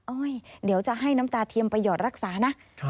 เดี๋ยวจะให้น้ำตาเทียมไปหยอดรักษานะ